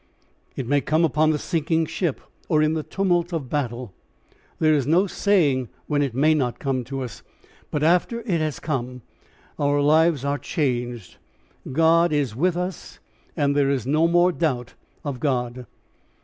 It may come upon the sinking ship or in the tumult of the battle. There is no saying when it may not come to us. ... But after it has come our lives are changed, God is with us and there is no more doubt of God.